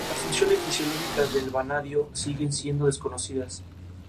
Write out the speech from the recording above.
Sin embargo esta historia con Savio Vega una vez más quedaba en el olvido.